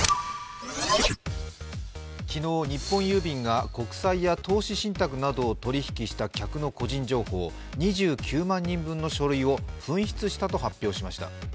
昨日、日本郵便が国債や投資信託などを取引した客の個人情報２９万人分の書類を紛失したと発表しました。